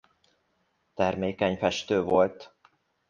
Termékeny festő volt.